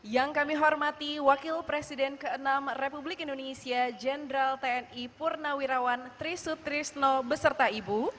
yang kami hormati wakil presiden ke enam republik indonesia jenderal tni purnawirawan trisutrisno beserta ibu